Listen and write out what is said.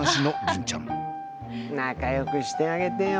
仲よくしてあげてよ